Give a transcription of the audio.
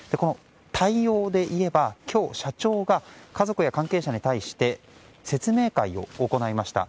対応でいえば今日、社長が家族や関係者に対して説明会を行いました。